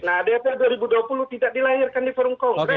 nah dpr dua ribu dua puluh tidak dilahirkan di forum kongres